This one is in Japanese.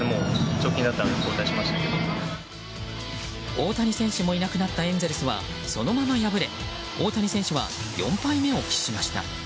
大谷選手もいなくなったエンゼルスはそのまま敗れ大谷選手は４敗目を喫しました。